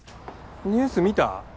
ニュース見た？